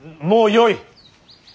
もうよい。